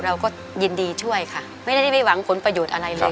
เราก็ยินดีช่วยค่ะไม่ได้ไม่หวังผลประโยชน์อะไรเลย